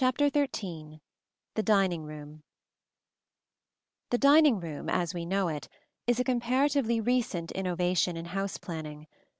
] XIII THE DINING ROOM The dining room, as we know it, is a comparatively recent innovation in house planning.